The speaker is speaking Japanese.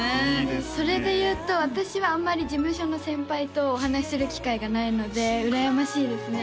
それで言うと私はあんまり事務所の先輩とお話する機会がないので羨ましいですね